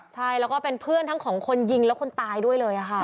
ใช่แล้วก็เป็นเพื่อนทั้งของคนยิงและคนตายด้วยเลยค่ะ